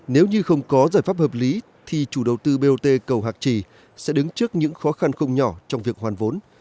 nếu như không có giải pháp hợp lý thì chủ đầu tư bot cầu hạc trì sẽ đứng trước những khó khăn không nhỏ trong việc hoàn vốn